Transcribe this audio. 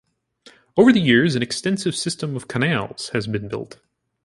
Over the years an extensive system of canals has been built.